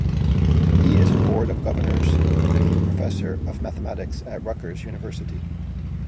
He is a Board of Governors Professor of Mathematics at Rutgers University.